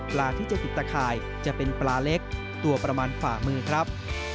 ที่๗๐ตะข่ายจะเป็นปลาเล็กตัวประมาณฝ่ามือครับ